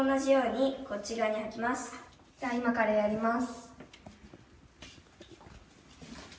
じゃあ今からやります。